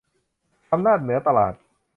อำนาจเหนือตลาด